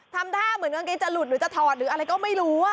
ใครจะหลุดหรือจะถอดหรืออะไรก็ไม่รู้อ่ะ